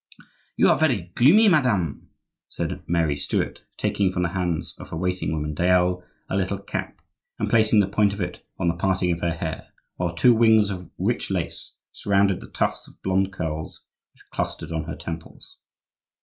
"You are very gloomy, madame," said Mary Stuart, taking from the hands of her waiting woman, Dayelle, a little cap and placing the point of it on the parting of her hair, while two wings of rich lace surrounded the tufts of blond curls which clustered on her temples.